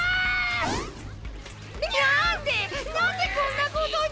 なんでなんでこんなことに！